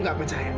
aku gak percaya